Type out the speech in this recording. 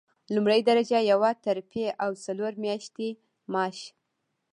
لومړۍ درجه یوه ترفیع او څلور میاشتې معاش.